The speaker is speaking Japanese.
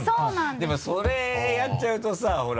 でもそれやっちゃうとさほら。